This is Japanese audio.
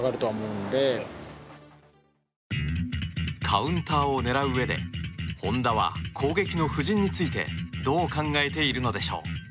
カウンターを狙ううえで本田は攻撃の布陣についてどう考えているのでしょう。